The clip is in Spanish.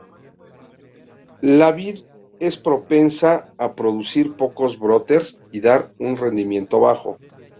La vid es propensa a producir pocos brotes y dar un rendimiento bajo.